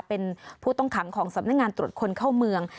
เป็นผู้ต้องขังของสำนักงานตรวจคนเข้าเมือง